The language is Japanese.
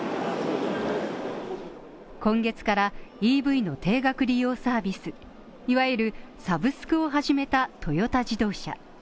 今月からＥＶの定額利用サービス、いわゆるサブスクを始めたトヨタ自動車。